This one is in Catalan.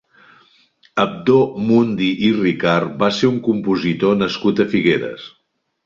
Abdó Mundí i Ricart va ser un compositor nascut a Figueres.